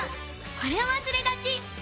これをわすれがち！